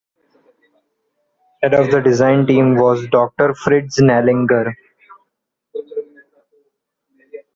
Head of the design team was Doctor Fritz Nallinger.